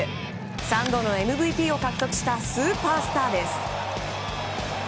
３度のＭＶＰを獲得したスーパースターです。